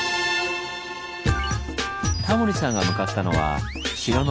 タモリさんが向かったのは城の南。